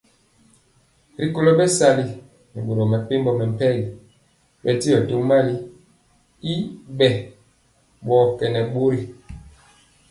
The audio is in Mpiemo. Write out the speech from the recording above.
Rikolo bɛsali nɛ boro mepempɔ mɛmpegi bɛndiɔ tomali y bɛ bɔkenɛ bori.